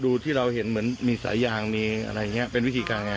ที่เราเห็นเหมือนมีสายยางมีอะไรอย่างนี้เป็นวิธีการไง